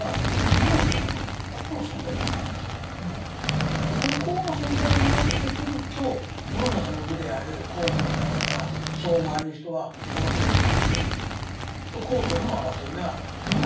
するとこの「公」の存在になってくると「武」の中の「武」である高師直やその周りの人は面白くなくなってくる。